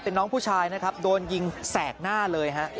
เป็นน้องผู้ชายนะครับโดนยิงแสกหน้าเลยฮะ